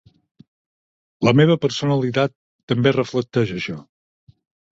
La meva personalitat també reflecteix això.